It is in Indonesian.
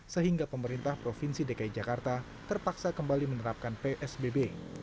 sehingga pemerintah provinsi dki jakarta terpaksa kembali menerapkan psbb